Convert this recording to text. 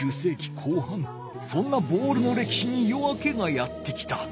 後半そんなボールのれきしに夜明けがやって来た。